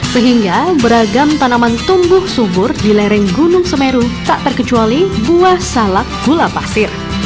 sehingga beragam tanaman tumbuh subur di lereng gunung semeru tak terkecuali buah salak gula pasir